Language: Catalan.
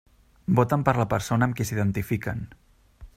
Voten per la persona amb qui s'identifiquen.